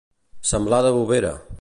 Semblar de Bovera.